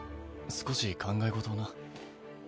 少し考え事をな。